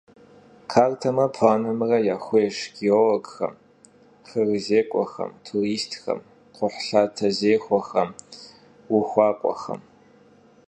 Kartemre planımre yaxuêyş gêologxem, xırızêk'uexem, turistxem, kxhuhlhatezêxuexem, vuxuak'uexem.